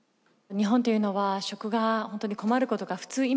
日本というのは食が本当に困ることが普通